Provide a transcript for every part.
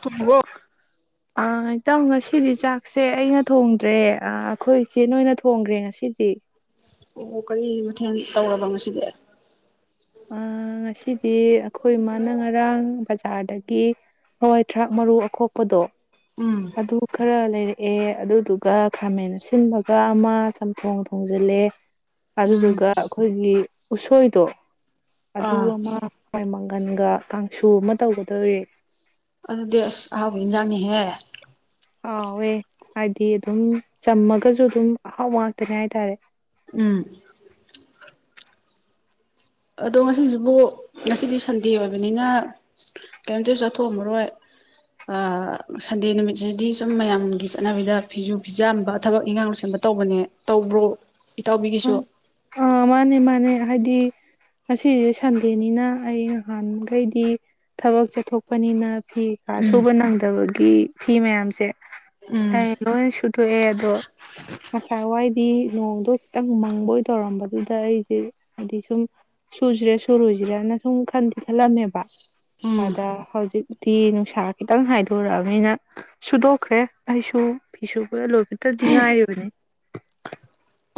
ꯇꯨꯝꯃꯣꯀꯣ ꯑ ꯏꯇꯥꯎ ꯉꯁꯤꯗꯤ ꯆꯥꯛꯁꯦ ꯑꯩꯅ ꯊꯣꯡꯗ꯭ꯔꯦ ꯑꯩꯈꯣꯏ ꯏꯆꯦꯟ ꯑꯣꯏꯅ ꯊꯣꯡꯈ꯭ꯔꯦ ꯉꯁꯤꯗꯤ ꯑꯣ ꯀꯔꯤ ꯃꯊꯦꯜ ꯇꯧꯔꯕ ꯉꯁꯤꯗꯤ ꯑꯥ ꯉꯁꯤ ꯑꯩꯈꯣꯏ ꯏꯃꯥꯅ ꯉꯔꯥꯡ ꯕꯖ ꯆꯥꯔꯗꯒꯤ ꯍꯋꯥꯏ ꯊꯔꯥꯛ ꯃꯔꯨ ꯑꯈꯣꯛꯄꯗꯣ ꯎꯝ ꯑꯗꯨ ꯈꯔ ꯂꯩꯔꯛꯑꯦ ꯑꯗꯨꯗꯨꯒ ꯈꯥꯃꯦꯟ ꯑꯁꯤꯟꯕꯒ ꯑꯃ ꯆꯝꯊꯣꯡ ꯊꯣꯡꯖꯤꯜꯂꯦ ꯎꯝ ꯑꯗꯨꯗꯨꯒ ꯑꯩꯈꯣꯏꯒꯤ ꯎꯁꯣꯏꯗꯣ ꯑꯗꯨ ꯑꯥ ꯑꯃ ꯍꯋꯥꯏ ꯃꯪꯒꯜ ꯃꯡꯒꯟꯒ ꯀꯥꯡꯁꯨ ꯑꯃ ꯇꯧꯒꯗꯧꯔꯤ ꯑꯗꯨꯗꯤ ꯑꯁ ꯑꯥꯍꯥꯎꯕ ꯑꯅꯖꯥꯡꯅꯤꯍꯦ ꯍꯥꯎꯋꯦ ꯍꯥꯏꯗꯤ ꯑꯗꯨꯝ ꯆꯝꯃꯒꯁꯨ ꯑꯗꯨꯝ ꯑꯍꯥꯎꯕ ꯉꯥꯛꯇꯅꯤ ꯍꯥꯏꯇꯥꯔꯦ ꯎꯝ ꯑꯗꯣ ꯉꯁꯤꯁꯤꯕꯨ ꯉꯁꯤꯗꯤ ꯁꯟꯗꯦ ꯑꯣꯏꯕꯅꯤꯅ ꯀꯩꯝꯇꯁꯨ ꯆꯠꯊꯣꯛꯑꯝꯃꯔꯣꯏ ꯑꯥ ꯁꯟꯗꯦ ꯅꯨꯃꯤꯠꯁꯤꯗꯤ ꯁꯨꯝ ꯃꯌꯥꯝꯒꯤ ꯆꯠꯅꯕꯤꯗ ꯐꯤꯁꯨ ꯐꯤꯖꯥꯝꯕ ꯊꯕꯛ ꯏꯪꯈꯥꯡ ꯂꯣꯏꯁꯟꯕ ꯇꯧꯕꯅꯦ ꯇꯧꯕ꯭ꯔꯣ ꯏꯇꯥꯎꯕꯤꯒꯤꯁꯨ ꯑ ꯃꯥꯅꯦ ꯃꯥꯅꯦ ꯍꯥꯏꯗꯤ ꯉꯁꯤꯁꯦ ꯁꯟꯗꯦꯅꯤꯅ ꯑꯩ ꯅꯍꯥꯟꯈꯩꯗꯤ ꯊꯕꯛ ꯆꯠꯊꯣꯛꯄꯅꯤꯅ ꯐꯤ ꯀꯥ ꯁꯨꯨꯕ ꯅꯪꯗꯕꯒ ꯐꯤ ꯃꯌꯥꯝꯁꯦ ꯎꯝ ꯑꯩ ꯂꯣꯏ ꯁꯨꯊꯣꯛꯑꯦ ꯑꯗꯣ ꯉꯁꯥ ꯋꯥꯏꯗꯤ ꯅꯣꯡꯗꯣ ꯈꯤꯇꯪ ꯃꯪꯕꯣꯏ ꯇꯧꯔꯝꯕꯗꯨꯗ ꯑꯩꯁꯦ ꯍꯥꯏꯗꯤ ꯁꯨꯝ ꯁꯨꯁꯤꯔꯥ ꯁꯨꯔꯣꯏꯁꯤꯔꯅ ꯁꯨꯝ ꯈꯜ ꯈꯜꯂꯝꯃꯦꯕ ꯎꯝ ꯑꯗ ꯍꯧꯖꯤꯛꯇꯤ ꯅꯨꯡꯁꯥ ꯈꯤꯇꯪ ꯍꯥꯏꯗꯣꯔꯛꯑꯕꯅꯤꯅ ꯁꯨꯗꯣꯛꯈ꯭ꯔꯦ ꯑꯩꯁꯨ ꯐꯤꯁꯨ ꯂꯣꯏꯐꯕꯇꯗꯤ ꯉꯥꯏꯔꯤꯕꯅꯤ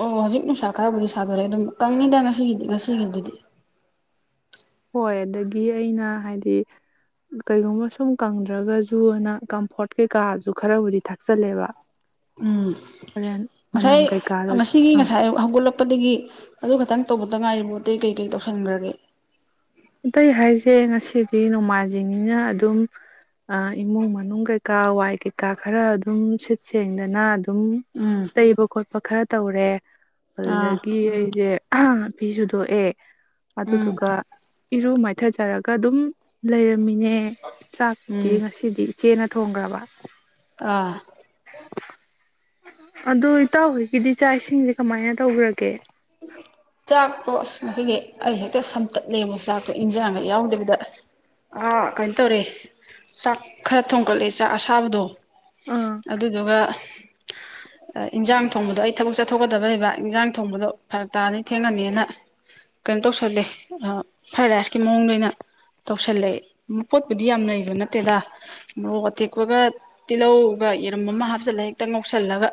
ꯑꯣ ꯍꯧꯖꯤꯛ ꯅꯨꯡꯁꯥ ꯈꯔꯕꯨꯗꯤ ꯁꯥꯗꯣꯔꯛꯑꯦ ꯑꯗꯨꯝ ꯀꯪꯉꯤꯗ ꯉꯁꯤꯒꯤꯗꯤ ꯉꯁꯤꯒꯤꯕꯨꯗꯤ ꯍꯣꯏ ꯑꯗꯒꯤ ꯑꯩꯅ ꯍꯥꯏꯗꯤ ꯀꯔꯤꯒꯨꯝꯕ ꯁꯨꯝ ꯀꯪꯗ꯭ꯔꯒꯁꯨꯅ ꯀꯝꯐꯣꯔꯠ ꯀꯩꯀꯥꯁꯨ ꯈꯔꯕꯨꯗꯤ ꯊꯥꯛꯆꯜꯂꯦꯕ ꯎꯝ ꯍꯣꯔꯦꯟ ꯉꯁꯥꯏ ꯃꯅꯝ ꯀꯩꯀꯥꯗꯣ ꯉꯁꯤꯒꯤ ꯑꯥ ꯉꯁꯥꯏ ꯑꯌꯨꯨꯛ ꯍꯧꯒꯠꯂꯛꯄ ꯆꯠꯄꯗꯒꯤ ꯑꯗꯨ ꯈꯛꯇꯪ ꯇꯧꯕꯇ ꯉꯥꯏꯔꯤꯕ ꯑꯥꯇꯩ ꯀꯩꯀꯩ ꯇꯧꯁꯟꯈ꯭ꯔꯒꯦ ꯑꯇꯩ ꯍꯥꯏꯁꯦ ꯉꯁꯤꯗꯤ ꯅꯣꯡꯃꯥꯟꯖꯤꯡꯅꯤꯅ ꯑꯗꯨꯝ ꯏꯃꯨꯡ ꯃꯅꯨꯡ ꯀꯩꯀꯥ ꯋꯥꯏ ꯀꯩꯀꯥ ꯈꯔ ꯑꯗꯨꯝ ꯁꯤꯠ ꯁꯦꯡꯗꯅ ꯑꯗꯨꯝ ꯎꯝ ꯇꯩꯕ ꯈꯣꯠꯄ ꯈꯔ ꯇꯧꯔꯦ ꯑꯥ ꯑꯗꯨꯗꯒꯤ ꯑꯩꯁꯦ ꯐꯤꯁꯨꯗꯣꯛꯑꯦ ꯎꯝ ꯑꯗꯨꯗꯨꯒ ꯏꯔꯨ ꯃꯥꯏꯊꯖꯔꯒ ꯑꯗꯨꯝ ꯂꯩꯔꯝꯃꯤꯅꯦ ꯆꯥꯛꯄꯨꯗꯤ ꯎꯝ ꯉꯁꯤꯗꯤ ꯏꯆꯦꯅ ꯊꯣꯡꯈ꯭ꯔꯕ ꯑꯥ ꯑꯗꯨ ꯏꯇꯥꯎꯍꯣꯏꯒꯤꯗꯤ ꯆꯥꯛ ꯏꯁꯤꯡꯁꯦ ꯀꯃꯥꯏꯅ ꯇꯧꯈ꯭ꯔꯒꯦ ꯆꯥꯛꯇꯣ ꯑꯁ ꯑꯩꯈꯣꯏꯒꯤ ꯑꯩ ꯍꯦꯛꯇ ꯁꯝꯇꯠꯂꯦꯕ ꯆꯥꯛꯇꯣ ꯏꯟꯖꯥꯡꯒ ꯌꯥꯎꯗꯕꯤꯗ ꯑꯥ ꯀꯩꯅꯣ ꯇꯧꯔꯦ ꯆꯥꯛ ꯈꯔ ꯊꯣꯡꯀꯠꯂꯦ ꯆꯥꯛ ꯑꯁꯥꯕꯗꯣ ꯑꯥ ꯑꯗꯨꯗꯨꯒ ꯏꯟꯖꯥꯡ ꯊꯣꯡꯕꯗꯣ ꯑꯩ ꯊꯕꯛ ꯆꯠꯊꯣꯛꯀꯗꯕ ꯂꯩꯕ ꯏꯟꯖꯥꯡ ꯊꯣꯡꯕꯗꯣ ꯐꯔꯛ ꯇꯥꯅꯤ ꯊꯦꯡꯉꯅꯤꯅ ꯀꯩꯅꯣ ꯇꯧꯁꯜꯂꯦ ꯐ꯭ꯔꯥꯏ ꯔꯥꯏꯁꯀꯤ ꯃꯑꯣꯡꯗ ꯑꯣꯏꯅ ꯇꯧꯁꯜꯂꯦ ꯄꯣꯠꯄꯨꯗꯤ ꯌꯥꯝ ꯂꯩꯕ ꯅꯠꯇꯦꯗ ꯃꯣꯔꯣꯛ ꯑꯇꯦꯛꯄꯒ ꯇꯤꯜꯍꯧꯒ ꯌꯦꯔꯝ ꯑꯃ ꯍꯥꯞꯆꯜꯂ ꯍꯦꯛꯇ ꯉꯧ ꯉꯧꯁꯜꯂꯒ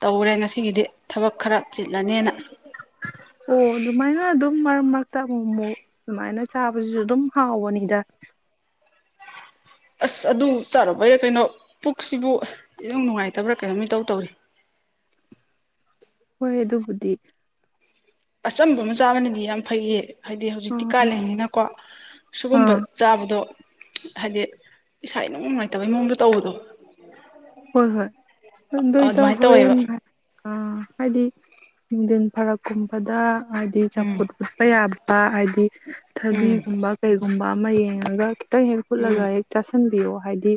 ꯇꯧꯔꯦ ꯉꯁꯤꯒꯤꯗꯤ ꯊꯕꯛ ꯈꯔ ꯆꯤꯜꯂꯅꯤꯅ ꯑꯣ ꯑꯗꯨꯃꯥꯏꯅ ꯑꯗꯨꯝ ꯃꯔꯛ ꯃꯔꯛꯇ ꯑꯃꯨꯛ ꯑꯃꯨꯛ ꯑꯗꯨꯃꯥꯏꯅ ꯆꯥꯕꯁꯤꯁꯨ ꯑꯗꯨꯝ ꯍꯥꯎꯕꯅꯤꯗ ꯑꯁ ꯑꯗꯨ ꯆꯥꯔꯨꯕꯩꯔ ꯀꯩꯅꯣ ꯄꯨꯛꯁꯤꯕꯨ ꯏꯅꯨꯡ ꯅꯨꯡꯉꯥꯏꯇꯕ꯭ꯔꯥ ꯀꯩꯅꯣꯝ ꯏꯇꯧ ꯇꯧꯋꯤ ꯍꯣꯏ ꯑꯗꯨꯕꯨꯗꯤ ꯑꯆꯝꯕꯃ ꯆꯥꯕꯅꯗꯤ ꯌꯥꯝ ꯐꯩꯌꯦ ꯍꯥꯏꯗꯤ ꯍꯧꯖꯤꯛꯇꯤ ꯑꯥ ꯀꯥꯂꯦꯟꯅꯤꯅꯀꯣ ꯁꯤꯒꯨꯝꯕ ꯑꯥ ꯆꯥꯕꯗꯣ ꯍꯥꯏꯗꯤ ꯏꯁꯥ ꯏꯅꯨꯡ ꯅꯨꯡꯉꯥꯏꯇꯕꯩ ꯃꯑꯣꯡꯗ ꯇꯧꯕꯗꯣ ꯍꯣꯏ ꯍꯣꯏ ꯇꯨꯝ ꯗꯣꯏ ꯑꯗꯨꯃꯥꯏꯅ ꯇꯧꯕ ꯇꯧꯋꯦꯕ ꯑꯣꯢꯔꯝꯒꯅꯤ ꯑ ꯍꯥꯏꯗꯤ ꯅꯨꯡꯗꯤꯟ ꯐꯔꯛꯀꯨꯝꯕꯗ ꯍꯥꯏꯗꯤ ꯎꯝ ꯆꯝꯐꯨꯠ ꯐꯨꯠꯄ ꯌꯥꯕ ꯍꯥꯏꯗꯤ ꯎꯝ ꯊꯕꯤꯒꯨꯝꯕ ꯀꯩ ꯨꯝꯕ ꯑꯃ ꯌꯦꯡꯉꯒ ꯈꯤꯇꯪ ꯍꯦꯛ ꯎꯝ ꯍꯨꯠꯂꯒ ꯍꯦꯛ ꯆꯥꯁꯤꯟ ꯄꯤꯑꯣ ꯍꯥꯏꯗꯤ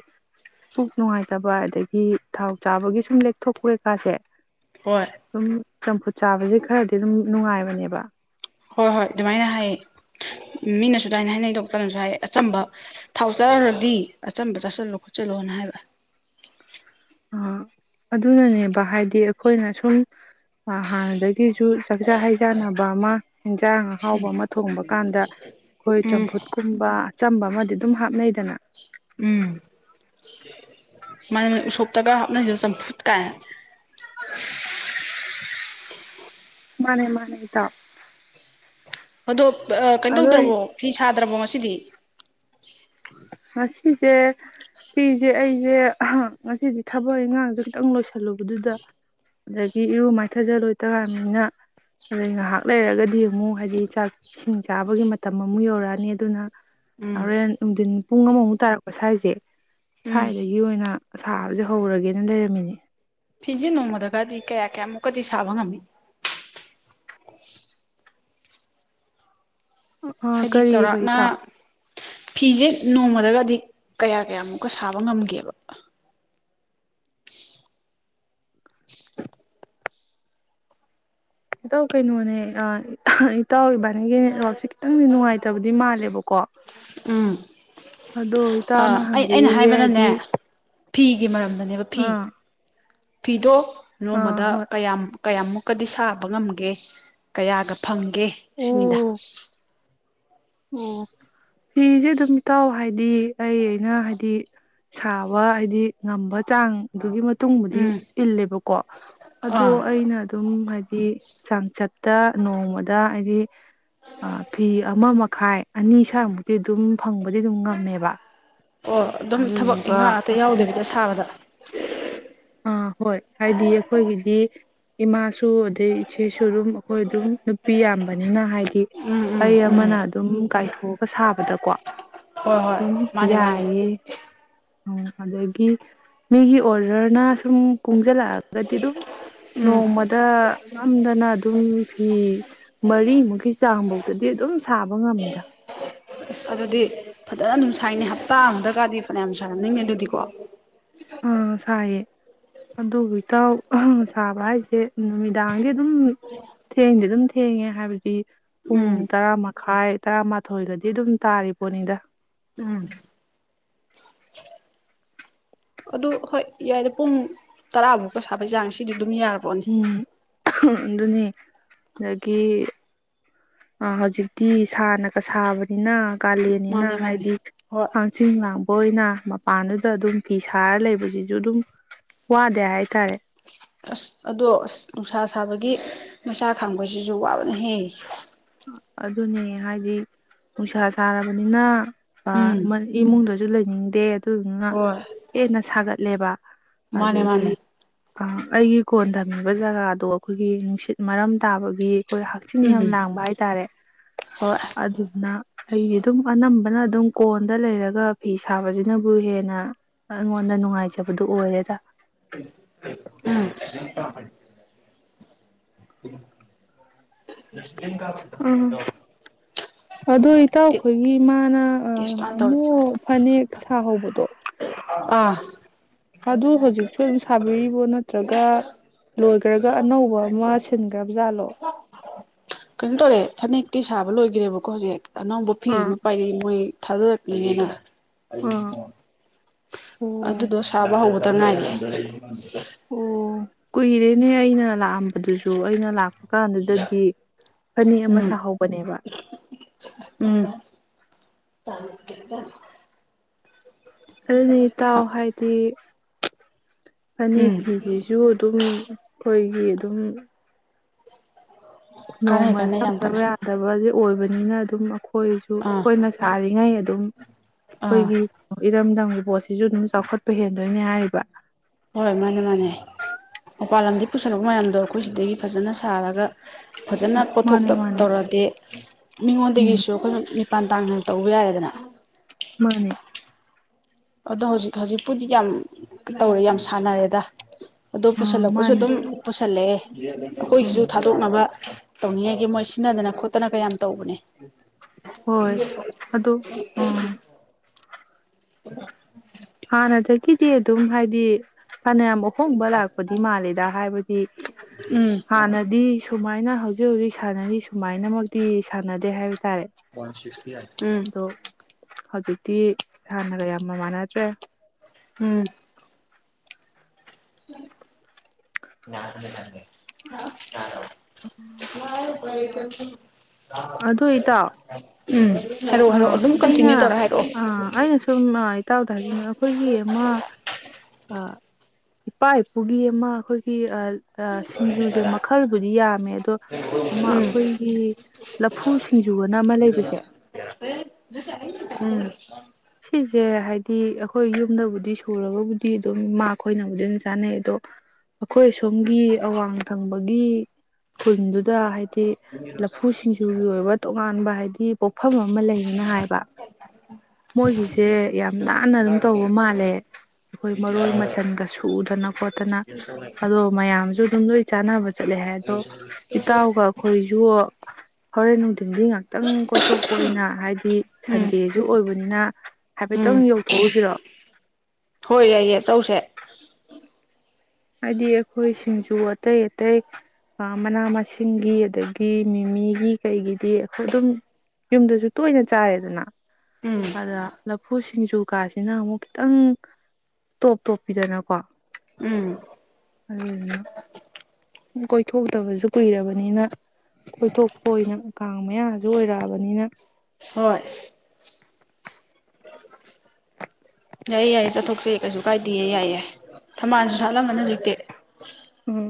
ꯄꯨꯛ ꯅꯨꯡꯉꯥꯏꯇꯕ ꯑꯗꯒꯤ ꯒꯤ ꯊꯥꯎ ꯆꯥꯕꯒꯤ ꯁꯨꯝ ꯂꯦꯛꯊꯣꯛꯄ ꯀꯩꯀꯥꯁꯦ ꯍꯣꯏ ꯑꯗꯨꯝ ꯆꯝꯐꯨꯠ ꯆꯥꯕꯁꯦ ꯈꯔꯗꯤ ꯑꯗꯨꯝ ꯅꯨꯡꯉꯥꯏꯕꯅꯦꯕ ꯍꯣꯏ ꯍꯣꯏ ꯑꯗꯨꯃꯥꯏꯅ ꯍꯥꯏꯌꯦ ꯃꯤꯅꯁꯨ ꯑꯗꯨꯃꯥꯏꯅ ꯍꯥꯏꯅꯩ ꯗꯣꯛꯇꯔꯅꯁꯨ ꯍꯥꯏ ꯑꯆꯝꯕ ꯊꯥꯎ ꯆꯥꯔꯨꯔꯗꯤ ꯑꯆꯝꯕ ꯆꯥꯁꯤꯜꯂꯣ ꯈꯣꯠꯆꯜꯂꯣꯅ ꯍꯥꯏꯕ ꯑ ꯑꯗꯨꯅꯅꯦꯕ ꯍꯥꯏꯗꯤ ꯑꯩꯈꯣꯏꯅ ꯁꯨꯝ ꯍꯥꯟꯅꯗꯒꯤꯁꯨ ꯆꯥꯛꯆꯥ ꯍꯩꯖꯥꯟꯅꯕ ꯑꯃ ꯑꯦꯟꯖꯥꯡ ꯑꯍꯥꯎꯕ ꯑꯃ ꯊꯣꯡꯕ ꯀꯥꯟꯗ ꯑꯩꯈꯣꯏ ꯎꯝ ꯆꯝꯐꯨꯠꯀꯨꯝꯕ ꯑꯆꯝꯕ ꯑꯃꯗꯤ ꯑꯗꯨꯝ ꯍꯥꯞꯅꯩꯗꯅ [inaudible] ꯃꯅꯤ ꯎꯁꯣꯞꯇꯒ ꯍꯥꯞꯅꯩꯗꯣ ꯆꯝꯐꯨꯠ ꯀꯥꯏꯅ [unintelligible] ꯃꯥꯅꯦ ꯃꯥꯅꯦ ꯗꯥ ꯑꯗꯣ ꯑ ꯀꯩꯅꯣ ꯇꯧꯗ꯭ꯔꯕꯣ ꯐꯤ ꯁꯥꯗ꯭ꯔꯕꯣ ꯉꯁꯤ ꯁꯤꯗꯤ [unintelligible] ꯉꯁꯤꯁꯦ ꯐꯤꯁꯦ ꯑꯩꯁꯦ ꯍ ꯉꯁꯤꯁꯦ ꯊꯕꯛ ꯏꯉꯥꯡꯁꯨ ꯈꯤꯇꯪ ꯂꯣꯏꯁꯜꯂꯨꯕꯗꯨꯗ ꯑꯗꯒꯤ ꯏꯔꯨ ꯃꯥꯏꯊꯖ ꯂꯣꯏꯇ ꯉꯥꯏꯔꯤꯕꯅꯤꯅ ꯉꯥꯏꯍꯥꯛ ꯂꯩꯔꯒꯗꯤ ꯑꯃꯨꯛ ꯍꯥꯏꯗꯤ ꯆꯥꯛ ꯏꯁꯤꯡ ꯆꯥꯕꯒꯤ ꯃꯇꯝ ꯑꯃꯨꯛ ꯌꯧꯔꯛꯑꯅꯤ ꯑꯗꯨꯅ ꯎꯝ ꯍꯣꯔꯦꯟ ꯅꯨꯡꯊꯤꯟ ꯄꯨꯡ ꯑꯃꯃꯨꯛ ꯇꯥꯔꯛꯄ ꯁ꯭ꯋꯥꯏꯖꯦ ꯎꯝ ꯁ꯭ꯋꯥꯥꯏꯗꯒꯤ ꯑꯣꯏꯅ ꯁꯥꯕꯁꯦ ꯍꯧꯔꯒꯦꯅ ꯂꯩꯔꯝꯃꯤꯅꯦ ꯐꯤꯖꯦ ꯅꯣꯡꯃꯗꯒꯗꯤ ꯀꯌꯥ ꯀꯌꯥꯃꯨꯛꯀꯗꯤ ꯁꯥꯕ ꯉꯝꯃꯤ ꯑ ꯑꯥ ꯀꯔꯤꯑꯕ ꯏꯇꯥ ꯐꯤꯖꯦ ꯅꯣꯡꯃꯗꯒꯗꯤ ꯀꯌꯥ ꯀꯌꯥꯃꯨꯛꯀ ꯁꯥꯕ ꯉꯝꯒꯦꯕ ꯑꯗꯨꯝ ꯀꯩꯅꯣꯅꯦ ꯑꯥ ꯏꯇꯥꯎ ꯏꯕꯥꯅꯤꯒꯤ ꯅꯦꯠꯋꯥꯛꯁꯦ ꯈꯤꯇꯪꯗꯤ ꯅꯨꯡꯉꯥꯏꯇꯕꯗꯤ ꯃꯥꯜꯂꯦꯕꯀꯣ ꯎꯝ ꯑꯗꯣ ꯏꯇꯥꯅ ꯑꯩ ꯑꯩꯅ ꯍꯪꯕꯤꯔꯤꯁꯦ ꯍꯥꯏꯕꯅꯅꯦ ꯍꯥꯏꯗꯤ ꯐꯤꯒꯤ ꯃꯔꯝ ꯃꯅꯦꯕ ꯐꯤ ꯑꯥ ꯐꯤꯗꯣ ꯑꯥ ꯅꯣꯡꯃꯗ ꯍꯣꯏ ꯀꯌꯥꯝ ꯀꯌꯥꯃꯨꯛꯀꯗꯤ ꯁꯥꯕ ꯉꯝꯒꯦ ꯀꯌꯥꯒ ꯐꯪꯒ ꯒꯦ ꯁꯤꯅꯤꯗ ꯑꯣ ꯑꯣ ꯐꯤꯁꯦ ꯑꯗꯨꯝ ꯏꯇꯥꯎ ꯍꯥꯏꯗꯤ ꯑꯩ ꯑꯩꯅ ꯍꯥꯏꯗꯤ ꯁꯥꯕ ꯍꯥꯏꯗꯤ ꯉꯝꯕ ꯆꯥꯡꯗꯨꯒꯤ ꯃꯇꯨꯡꯕꯨꯗꯤ ꯎꯝ ꯏꯜꯂꯦꯕꯀꯣ ꯑꯗꯣ ꯑꯥ ꯑꯩꯅ ꯑꯗꯨꯝ ꯍꯥꯏꯗꯤ ꯆꯥꯡꯆꯠꯇ ꯅꯣꯡꯃꯗ ꯍꯥꯏꯗꯤ ꯑ ꯐꯤ ꯑꯃ ꯃꯛ ꯈꯥꯏ ꯑꯅꯤ ꯁꯥꯏꯃꯨꯛꯇꯤ ꯑꯗꯨꯝ ꯑꯗꯨꯝ ꯉꯝꯃꯦꯕ ꯑꯣ ꯑꯗꯨꯝ ꯊꯕꯛ ꯑꯗꯨꯗꯨꯒ ꯏꯟꯈꯥꯡ ꯑꯇꯩ ꯑꯩꯈꯣꯏ ꯌꯥꯎꯗꯕꯤꯗ ꯁꯥꯕꯗ [unintelligible] ꯑꯥ ꯍꯣꯏ ꯍꯥꯏꯗꯤ ꯑꯈꯣꯏꯒꯤꯗꯤ ꯏꯃꯥꯁꯨ ꯑꯗꯩ ꯏꯆꯦꯁꯨ ꯑꯗꯨꯝ ꯑꯈꯣꯏ ꯑꯗꯨꯝ ꯅꯨꯄꯤ ꯌꯥꯝꯕꯅꯤꯅ ꯍꯥꯏꯗꯤ ꯎꯝ ꯎꯝ ꯑꯩ ꯎꯝ ꯑꯃꯅ ꯑꯗꯨꯝ ꯀꯥꯏꯊꯣꯛꯑꯒ ꯁꯥꯕꯗꯀꯣ ꯍꯣꯏ ꯍꯣꯏ ꯑꯗꯨꯝ ꯃꯥꯅꯦ ꯃꯥꯅꯦ ꯌꯥꯏꯌꯦ ꯑꯣ ꯑꯗꯒꯤ ꯃꯦꯒꯤ ꯑꯣꯔꯗꯔ ꯅꯥ ꯁꯨꯝ ꯀꯨꯡꯖꯟꯂꯛꯑꯒꯗꯤ ꯑꯗꯨꯝ ꯎꯝ ꯅꯣꯡꯃꯗ ꯉꯝꯗꯅ ꯑꯗꯨꯝ ꯐꯤ ꯃꯔꯤꯃꯨꯛꯀꯤ ꯆꯥꯡꯕꯥꯎꯗꯗꯤ ꯑꯗꯨꯝ ꯁꯥꯕ ꯉꯝꯃꯤꯗ ꯑꯁ ꯑꯗꯨꯗꯤ ꯐꯗꯅ ꯑꯗꯨꯝ ꯁꯥꯏꯅꯤ ꯍꯞꯇꯥ ꯑꯃꯗꯒꯗꯤ ꯐꯅꯥꯌꯝ ꯁꯥꯔꯝꯅꯤꯅꯦ ꯑꯗꯨꯗꯤꯀꯣ ꯑꯥ ꯁꯥꯏꯌꯦ ꯑꯗꯨꯕꯨ ꯏꯇꯥꯎ ꯁꯥꯕ ꯍꯥꯏꯁꯦ ꯅꯨꯃꯤꯗꯥꯡꯗꯤ ꯑꯗꯨꯝ ꯊꯦꯡꯗꯤ ꯑꯗꯨꯝ ꯊꯦꯡꯉꯦ ꯍꯥꯏꯕꯗꯤ ꯄꯨꯡ ꯎꯝ ꯇꯔꯥ ꯃꯈꯥꯏ ꯇꯔꯥꯃꯥꯊꯣꯏꯒꯗꯤ ꯑꯗꯨꯝ ꯇꯥꯔꯤ ꯄꯣꯠꯅꯤꯗ ꯎꯝ ꯑꯗꯨ ꯍꯣꯏ ꯌꯥꯏ ꯄꯨꯡ ꯇꯔꯥꯕꯣꯀ ꯁꯥꯕꯩ ꯆꯥꯡ ꯁꯤꯗꯤ ꯑꯗꯨꯝ ꯌꯥꯔꯕꯣꯅꯤ ꯎꯝ ꯑꯗꯨꯅꯤ ꯑꯗꯒꯤ ꯍꯧꯖꯤꯛꯇꯤ ꯁꯥꯅꯒ ꯁꯥꯕꯅꯤꯅ ꯀꯥꯂꯦꯟꯅꯤꯅ ꯃꯥꯅꯦ ꯃꯥꯅꯦ ꯍꯥꯏꯗꯤ ꯍꯣꯏ ꯍꯥꯡꯆꯤꯡ ꯂꯥꯡꯕ ꯑꯣꯏꯅ ꯃꯄꯥꯟꯗꯨꯗ ꯑꯗꯨꯝ ꯐꯤ ꯁꯥꯔ ꯂꯩꯕꯁꯤꯁꯨ ꯑꯗꯨꯝ ꯋꯥꯗꯦ ꯍꯥꯏꯇꯥꯔꯦ ꯑꯁ ꯑꯗꯣ ꯑꯁ ꯅꯨꯡꯁꯥ ꯁꯥꯕꯒꯤ ꯃꯩꯁꯥ ꯈꯥꯡꯕꯁꯤꯁꯨ ꯋꯥꯕꯅꯦ ꯍꯦ ꯑꯗꯨꯅꯦ ꯍꯥꯏꯗꯤ ꯅꯨꯡꯁꯥ ꯁꯥꯔꯕꯅꯤꯅ ꯑ ꯎꯝ ꯃ ꯏꯃꯨꯡꯗ ꯑꯗꯨ ꯂꯩꯅꯤꯡꯗꯦ ꯑꯗꯨꯗꯨꯅ ꯍꯣꯏ ꯍꯦꯟꯅ ꯁꯥꯒꯠ ꯂꯦꯕꯥꯛ ꯃꯥꯅꯦ ꯑꯗꯒꯤ ꯃꯥꯅꯦ ꯑ ꯑꯩꯒꯤ ꯀꯣꯟ ꯊꯝꯃꯤꯕ ꯖꯒꯥꯗꯣ ꯑꯈꯣꯏꯒꯤ ꯅꯨꯡꯁꯤꯠ ꯃꯔꯝ ꯇꯥꯕꯒꯤ ꯑꯩꯈꯣꯏ ꯍꯛꯆꯤꯟ ꯎꯝ ꯌꯥꯝ ꯂꯥꯡꯕ ꯍꯥꯏ ꯇꯥꯔꯦ ꯍꯣꯏ ꯑꯗꯨꯗꯨꯅ ꯑꯩꯗꯤ ꯑꯗꯨꯝ ꯑꯅꯝꯕꯅ ꯑꯗꯨꯝ ꯀꯣꯟꯗ ꯂꯩꯔꯒ ꯐꯤ ꯁꯥꯕꯁꯤꯅꯕꯨ ꯍꯦꯟꯅ ꯑꯩꯉꯣꯟꯗ ꯅꯨꯡꯉꯥꯏꯖꯕꯗꯨ ꯑꯣꯏꯔꯦꯗ ꯎꯝ [unintelligible] ꯑꯗꯨ ꯢꯇꯥꯎꯈꯣꯏꯒꯤ ꯃꯥꯅ ꯇꯦꯁꯇꯣ ꯍꯥꯟꯅ ꯇꯧꯔꯖꯦ ꯉꯍꯥꯃꯨꯛ ꯐꯅꯦꯛ ꯁꯥꯍꯧꯕꯗꯣ ꯑꯝ ꯑꯗꯨ ꯍꯧꯖꯤꯛ ꯁꯨ ꯑꯗꯨꯝ ꯁꯥꯕꯤꯔꯤꯕꯣ ꯅꯠꯇ꯭ꯔꯒ ꯒ ꯂꯣꯏꯈ꯭ꯔꯒ ꯑꯅꯧꯕ ꯑꯃ ꯁꯤꯟꯈ꯭ꯔꯕ ꯖꯥꯠꯂꯣ ꯀꯩꯅꯣ ꯇꯧꯔꯦ ꯐꯅꯦꯛꯇꯤ ꯁꯥꯕ ꯂꯣꯏꯒ꯭ꯔꯦꯕꯀꯣ ꯍꯧꯖꯤꯛ ꯑꯅꯧꯕ ꯐꯤ ꯑꯥ ꯑꯃ ꯄꯥꯏꯔꯛꯢ ꯃꯣꯏ ꯊꯥꯗꯔꯛꯄꯤꯅꯤꯅ ꯑꯥ ꯑꯣ ꯑꯗꯨꯗꯣ ꯁꯥꯕ ꯍꯧꯕ ꯇ ꯉꯥꯏꯔꯤ ꯑꯣ ꯀꯨꯏꯔꯦꯅꯦ ꯑꯩꯅ ꯂꯥꯛꯑꯝꯕꯗꯨꯁꯨ ꯑꯩꯅ ꯂꯥꯛꯄ ꯀꯥꯟꯗꯨꯗꯗꯤ ꯐꯅꯦꯛ ꯑꯃ ꯎꯝ ꯁꯥꯍꯧꯕꯅꯦꯕ ꯎꯝ ꯑꯗꯨꯅꯤ ꯢꯇꯥꯎ ꯍꯥꯏꯗꯤ ꯐꯅꯦꯛ ꯎꯝ ꯐꯤꯁꯤꯁꯨ ꯑꯗꯨꯝ ꯑꯩꯈꯣꯏꯒꯤ ꯑꯗꯨꯝ ꯀꯥꯟꯅꯩ ꯅꯣꯡꯃꯗ ꯀꯥꯟꯅꯩ ꯌꯥꯝ ꯆꯪꯗꯕ ꯀꯥꯟꯅꯩ ꯌꯥꯗꯕꯖꯨ ꯑꯣꯏꯕꯅꯤꯅ ꯑꯗꯨꯝ ꯑꯩꯈꯣꯏꯁꯨ ꯑꯥ ꯑꯩꯈꯣꯏꯅ ꯁꯥꯔꯤꯉꯩ ꯑꯗꯨꯝ ꯑꯥ ꯑꯩꯈꯣꯏꯒꯤ ꯏꯔꯝꯗꯝꯒꯤ ꯄꯣꯠꯁꯤꯁꯨ ꯑꯗꯨꯝ ꯆꯥꯎꯈꯠꯄ ꯍꯦꯟꯗꯣꯏꯅꯦ ꯍꯥꯏꯔꯤꯕ ꯍꯣꯏ ꯃꯥꯅꯦ ꯃꯥꯅꯦ ꯃꯄꯥꯟ ꯂꯝꯗꯒꯤ ꯄꯨꯁꯜꯂꯛꯄ ꯃꯌꯥꯝꯗꯣ ꯑꯩꯈꯣꯏ ꯁꯤꯗꯒꯤ ꯐꯖꯅ ꯊꯥꯔꯒ ꯐꯖꯅ ꯃꯥꯅꯦ ꯄꯣꯊꯣꯛꯇ ꯃꯥꯅꯦ ꯇꯧꯔꯗꯤ ꯎꯝ ꯃꯤꯉꯣꯟꯗꯒꯤꯁꯨ ꯑꯩꯈꯣꯏꯅ ꯃꯄꯥꯟ ꯇꯥꯡꯗꯅ ꯇꯧꯕ ꯌꯥꯔꯦꯗꯅ ꯃꯥꯅꯦ ꯑꯗꯣ ꯍꯧꯖꯤꯛ ꯍꯧꯖꯤꯛꯄꯨꯗꯤ ꯌꯥꯝ ꯇꯧꯔꯦ ꯌꯥꯝ ꯁꯥꯟꯅꯔꯦꯗ ꯑꯗꯣ ꯑꯥ ꯄꯨꯁꯜꯂꯛꯄꯁꯨ ꯃꯥꯅꯦ ꯑꯗꯨꯝ ꯄꯨꯁꯜꯂꯛꯑꯦ ꯑꯥ ꯑꯩꯈꯣꯏꯒꯤꯁꯨ ꯊꯥꯗꯣꯛꯅꯕ ꯇꯧꯅꯤꯡꯉꯥꯏꯒꯤ ꯃꯣꯏ ꯁꯤꯟꯅꯗꯅ ꯈꯣꯠꯇꯅꯀ ꯌꯥꯝ ꯇꯧꯕꯅꯦ ꯍꯣꯏ ꯑꯗꯣ ꯎꯝ ꯎ ꯍꯥꯟꯅꯗꯒꯤꯗꯤ ꯑꯗꯨꯝ ꯍꯥꯏꯗꯤ ꯐꯅꯌꯥꯝ ꯑꯍꯣꯡꯕ ꯂꯥꯛꯄꯗꯤ ꯃꯥꯜꯂꯦꯗ ꯍꯥꯏꯕꯗꯤ ꯎꯝ ꯍꯥꯟꯅꯗꯤ ꯁꯨꯃꯥꯏꯅ ꯍꯧꯖꯤꯛ ꯍꯧꯖꯤꯛ ꯁꯥꯟꯅꯔꯤ ꯁꯨꯃꯥꯏꯅꯃꯛꯇꯤ ꯁꯥꯟꯅꯗꯦ ꯍꯥꯏꯕ ꯇꯥꯔꯦ ꯋꯥꯟ ꯁꯤꯛꯁꯇꯤ ꯑꯥꯠ ꯎꯝ ꯑꯗꯣ ꯍꯧꯖꯤꯛꯇꯤ ꯍꯥꯟꯅꯒ ꯌꯥꯝ ꯃꯃꯥꯟꯅ ꯗ꯭ꯔꯦ ꯎꯝ [inaudible] [unintelligible] [inaudible] ꯑꯗꯨ ꯏꯇꯥꯎ ꯎꯝ ꯍꯥꯏꯔꯛꯑꯣ ꯍꯥꯏꯔꯛꯑꯣ ꯑꯥ ꯑꯗꯨꯝ ꯑꯩꯅꯥ ꯀꯟꯇꯤꯅ꯭ꯌꯨ ꯇꯧꯔ ꯍꯥꯏꯔꯛꯑꯣ ꯑ ꯑꯩꯅ ꯁꯨꯝ ꯏꯇꯥꯎꯗ ꯍꯥꯏꯖꯅꯤꯡꯉꯤ ꯑꯈꯣꯏꯒꯤ ꯑꯃ ꯏꯄꯥ ꯏꯄꯨꯒꯤ ꯑꯃ ꯑꯈꯣꯏꯒꯤ ꯑ ꯁꯤꯡꯖꯨꯖꯦ ꯃꯈꯜꯕꯨꯗꯤ ꯌꯥꯝꯃꯦ ꯑꯗꯣ ꯑꯃ ꯑꯩꯈꯣꯏꯒꯤ ꯂꯐꯨ ꯁꯤꯡꯖꯨꯑꯅ ꯑꯃ ꯂꯩꯕꯁꯦ ꯎꯝ [inaudible] ꯁꯤꯖꯦ ꯍꯥꯏꯗꯤ ꯑꯈꯣꯏ ꯌꯨꯝꯗꯕꯨꯗꯤ ꯁꯨꯔꯒꯕꯨꯗꯤ ꯑꯗꯨꯝ ꯃꯥ ꯈꯣꯏꯅꯕꯨꯗꯤ ꯑꯗꯨꯝ ꯆꯥꯟꯅꯩ ꯑꯗꯣ ꯑꯈꯣꯏ ꯁꯣꯝꯒꯤ ꯑꯋꯥꯡ ꯊꯪꯕꯒꯤ ꯈꯨꯟꯗꯨꯗ ꯍꯥꯏꯗꯤ ꯎꯝ ꯂꯐꯨ ꯁꯤꯡꯖꯨꯒꯤ ꯑꯣꯏꯕ ꯇꯣꯉꯥꯟꯕ ꯍꯥꯏꯗꯤ ꯄꯣꯛꯐꯝ ꯑꯃ ꯂꯩꯌꯦꯅ ꯍꯥꯏꯕ ꯃꯣꯏꯒꯤꯁꯦ ꯌꯥꯝ ꯅꯥꯟꯅ ꯑꯗꯨꯝ ꯇꯧꯕ ꯃꯥꯜꯂꯦ ꯑꯈꯣꯏ ꯃꯔꯣꯏ ꯃꯆꯟꯒ ꯁꯨꯗꯅ ꯈꯣꯠꯇꯅ ꯑꯗꯨꯃꯥꯏꯅ ꯃꯌꯥꯝꯖꯨ ꯑꯗꯨꯝ ꯂꯣꯏ ꯆꯥꯟꯅꯕ ꯆꯠꯂꯦ ꯍꯥꯏ ꯑꯗꯣ ꯏꯇꯥꯎꯒ ꯑꯈꯣꯏꯖꯨ ꯍꯣꯔꯦꯟ ꯅꯨꯡꯗꯤ ꯁꯟꯗꯤ ꯉꯥꯛꯇꯪ ꯀꯣꯏꯊꯣꯛꯄ ꯑꯣꯏꯅ ꯍꯥꯏꯗꯤ ꯎꯝ ꯁꯟꯗꯦꯖꯨ ꯑꯣꯏꯕꯅꯤꯅ ꯎꯝ ꯍꯥꯏꯐꯦꯠꯇꯪ ꯌꯧꯊꯣꯛꯎꯁꯤꯔꯣ ꯍꯣꯏ ꯌꯥꯏꯌꯦ ꯇꯧꯁꯦ ꯍꯥꯏꯗꯤ ꯑꯈꯣꯏ ꯁꯤꯡꯖꯨ ꯑꯇꯩ ꯑꯇꯩ ꯃꯅꯥ ꯃꯁꯤꯡꯒꯤ ꯑꯗꯒꯤ ꯃꯤꯃꯤꯒꯤ ꯀꯩꯒꯤꯗꯤ ꯑꯈꯣꯏ ꯑꯗꯨꯝ ꯌꯨꯝꯗꯖꯨ ꯇꯣꯏꯅ ꯆꯥꯔꯦꯗꯅ ꯎꯝ ꯑꯗ ꯂꯐꯨ ꯁꯤꯡꯖꯨ ꯀꯥꯖꯤꯅ ꯑꯃꯨꯛ ꯈꯤꯇꯪ ꯇꯣꯞ ꯇꯣꯞꯄꯤꯗꯅꯀꯣ ꯎꯝ ꯑꯗꯨꯗꯨꯅ ꯀꯣꯏꯊꯣꯛꯇꯕꯁꯨ ꯀꯨꯏꯔꯕꯅꯤꯅ ꯀꯣꯏꯊꯣꯛꯄ ꯑꯣꯏꯅ ꯀꯥꯡ ꯃꯌꯥꯖꯨ ꯑꯣꯏꯔꯛꯑꯕꯅꯤꯅ ꯍꯣꯏ ꯌꯥꯏꯌꯦ ꯌꯥꯏꯌꯦ ꯆꯠꯊꯣꯛꯆꯦ ꯀꯩꯁꯨ ꯀꯥꯏꯗꯦꯌꯦ ꯌꯥꯏꯌꯦ ꯊꯝꯃꯜꯁꯨ ꯁꯥꯠꯂꯝꯒꯅꯤ ꯍꯧꯖꯤꯛꯇꯤ ꯎꯝ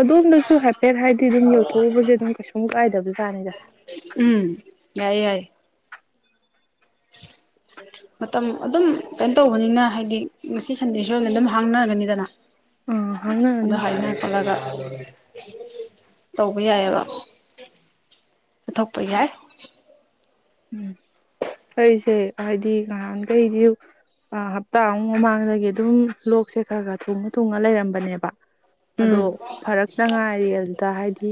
ꯑꯗꯣꯝꯗꯁꯨ ꯍꯥꯏꯐꯦꯠ ꯍꯥꯏꯗꯤ ꯑꯗꯨꯝ ꯌꯧꯊꯣꯛꯎꯕꯖꯦ ꯑꯗꯨꯝ ꯀꯩꯁꯨꯝ ꯀꯥꯏꯗꯕꯖꯥꯠꯅꯤꯗ ꯎꯝ ꯌꯥꯏ ꯌꯥꯏ ꯃꯇꯝ ꯑꯗꯨꯝ ꯀꯩꯅꯣ ꯇꯧꯕꯅꯤꯅ ꯍꯥꯏꯗꯤ ꯉꯁꯤ ꯁꯟꯗꯦꯁꯨ ꯑꯣꯏꯅ ꯑꯗꯨꯝ ꯍꯥꯡꯅꯒꯅꯤꯗꯅ ꯑꯥ ꯑꯗ ꯍꯥꯡꯅꯔꯅꯤ ꯍꯥꯏꯅ ꯈꯣꯠꯂꯒ ꯇꯧꯕ ꯌꯥꯏꯌꯦꯕ ꯆꯊꯣꯛꯄ ꯌꯥꯏ ꯎꯝ ꯑꯩꯖꯦ ꯍꯥꯏꯗꯤ ꯉꯍꯥꯟꯈꯩꯗꯤ ꯍꯞꯇꯥꯃꯨꯛ ꯃꯃꯥꯡꯗꯒꯤ ꯑꯗꯨꯝ ꯂꯣꯛꯁꯦ ꯈꯔ ꯈꯔ ꯊꯨꯡꯉ ꯊꯨꯡꯉ ꯂꯩꯔꯝꯕꯅꯦꯕ ꯎꯝ ꯑꯗꯣ ꯐꯔꯛꯇ ꯉꯥꯏꯔꯤ ꯑꯗꯨꯗ ꯍꯥꯏꯗꯤ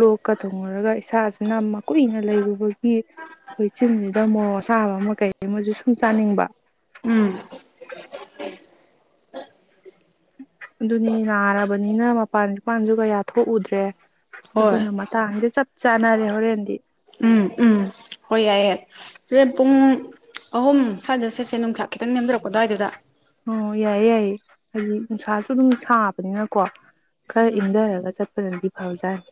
ꯂꯣꯛꯀ ꯊꯨꯡꯉꯨꯔꯒ ꯏꯁꯥꯁꯤꯅ ꯃꯀꯨꯏꯅ ꯂꯩꯔꯨꯕꯒꯤ ꯑꯈꯣꯏ ꯆꯤꯟꯁꯤꯗ ꯃꯣꯔꯣꯛ ꯑꯁꯥꯕ ꯑꯃ ꯀꯩꯃꯖꯨ ꯁꯨꯝ ꯆꯥꯅꯤꯡꯕ ꯎꯝ ꯑꯗꯨꯅꯤ ꯅꯥꯔꯕꯅꯤꯅ ꯃꯄꯥꯟ ꯏꯄꯥꯟꯁꯖꯨ ꯀꯌꯥ ꯊꯣꯛꯎꯗ꯭ꯔꯦ ꯍꯣꯏ ꯑꯗꯨꯅ ꯃꯇꯥꯡꯖꯤꯗ ꯆꯠꯄ ꯆꯥꯟꯅꯔꯦ ꯍꯣꯔꯦꯟꯗꯤ ꯎꯝ ꯎꯝ ꯍꯣꯏ ꯌꯥꯏ ꯌꯥꯏ ꯍꯣꯔꯦꯟ ꯄꯨꯡ ꯑꯍꯨꯝ ꯁ꯭ꯋꯥꯏꯗ ꯆꯠꯁꯦ ꯅꯨꯡꯁ ꯈꯤꯇꯪ ꯅꯦꯝꯗꯔꯛꯄ ꯑꯗꯨ꯭ꯋꯥꯏꯗꯨꯗ ꯑꯣ ꯌꯥꯏꯌꯦ ꯌꯥꯏꯌꯦ ꯍꯥꯏꯗꯤ ꯅꯨꯡꯁꯥꯁꯨ ꯑꯗꯨꯝ ꯁꯥꯕꯅꯤꯅꯀꯣ ꯈꯔ ꯏꯪꯊꯔꯒ ꯆꯠꯄꯗꯗꯤ ꯐꯕꯖꯥꯠꯅꯤ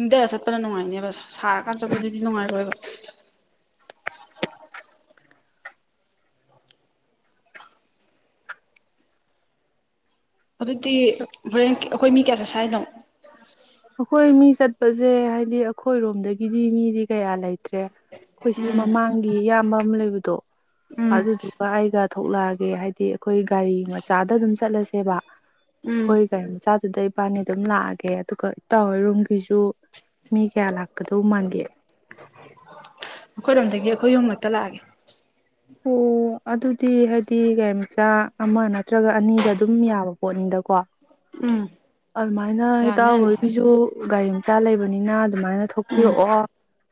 ꯏꯪꯗꯔ ꯆꯠꯄꯅ ꯅꯨꯡꯉꯥꯏꯅꯦꯕ ꯁꯥꯔꯀꯥꯟꯗ ꯆꯠꯄꯗꯨꯗꯤ ꯅꯨꯡꯉꯥꯏꯔꯣꯏꯕ ꯑꯗꯨꯗꯤ ꯍꯣꯔꯦꯟ ꯑꯈꯣꯏ ꯃꯤ ꯀꯌꯥ ꯆꯠꯁꯦ ꯍꯥꯏꯅꯣ ꯑꯈꯣꯏ ꯃꯤ ꯆꯠꯄꯁꯦ ꯍꯥꯏꯗꯤ ꯑꯈꯣꯏꯔꯣꯝꯗꯒꯤꯗꯤ ꯃꯤꯗꯤ ꯀꯌꯥ ꯂꯩꯇ꯭ꯔꯦ ꯑꯈꯣꯏ ꯁꯤ ꯎꯝ ꯃꯃꯥꯡꯒꯤ ꯏꯌꯥꯝꯕ ꯑꯃ ꯂꯩꯕꯗꯣ ꯎꯝ ꯑꯗꯨꯗꯨꯒ ꯑꯩꯒ ꯊꯣꯛꯂꯛꯑꯒꯦ ꯍꯥꯏꯕꯗꯤ ꯑꯈꯣꯏ ꯒꯥꯔꯤ ꯃꯆꯥꯗ ꯑꯗꯨꯝ ꯆꯠꯂꯁꯦꯕ ꯎꯝ ꯑꯈꯣꯏ ꯒꯥꯔꯤ ꯃꯆꯥꯗꯨꯗ ꯏꯕꯥꯅꯤ ꯑꯗꯨꯝ ꯂꯥꯛꯑꯒꯦ ꯑꯗꯨꯒ ꯇꯧꯋꯦ ꯔꯨꯝꯒꯤꯁꯨ ꯃꯤ ꯀꯌꯥ ꯂꯥꯛꯀꯗꯧ ꯃꯥꯟꯒꯦ ꯑꯈꯣꯏꯔꯣꯝꯗꯒꯤ ꯑꯈꯣꯏ ꯑꯍꯨꯝ ꯈꯛꯇ ꯂꯥꯛꯑꯒꯦ ꯑꯣ ꯑꯗꯨꯗꯤ ꯍꯥꯏꯗꯤ ꯒꯥꯔꯤꯃꯤꯆꯥ ꯑꯃ ꯅꯠꯇ꯭ꯔꯒ ꯑꯅꯤꯗ ꯑꯗꯨꯝ ꯌꯥꯕ ꯄꯣꯠꯅꯤꯗꯀꯣ ꯎꯝ ꯑꯃꯥꯏꯅ ꯌꯥꯅꯤ ꯌꯥꯅꯤ ꯏꯇꯥꯎꯍꯣꯏꯒꯤꯖꯨ ꯒꯔꯤ ꯏꯆꯥ ꯂꯩꯕꯅꯤꯅ ꯑꯗꯨꯃꯥꯏꯅ ꯎꯝ ꯊꯣꯛꯄꯤꯔꯛꯑꯣ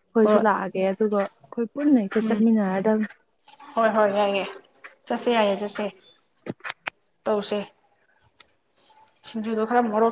ꯑꯈꯣꯏꯁꯨ ꯍꯣꯏ ꯂꯥꯛꯑꯒꯦ ꯑꯗꯨꯒ ꯑꯈꯣꯏ ꯄꯨꯟꯅ ꯍꯦꯛꯇ ꯎꯝ ꯆꯠꯃꯤꯟꯅꯔꯗꯝꯅꯤ ꯍꯣꯏ ꯍꯣꯏ ꯌꯥꯏꯌꯦ ꯆꯠꯁꯦ ꯌꯥꯏꯌꯦ ꯆꯠꯁꯦ ꯇꯧꯁꯦ ꯁꯤꯡꯖꯨꯗꯣ ꯈꯔ ꯃꯣꯔꯣ